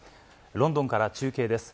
ロンドンから中継です。